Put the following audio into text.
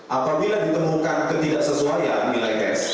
apabila ditemukan ketidaksesuaian nilai tes